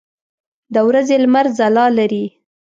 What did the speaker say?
د ورځې لمر ځلا لري.